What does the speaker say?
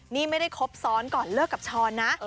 นี่ไม่ได้ครบซ้อนก่อนเลิกกับช้อนนะ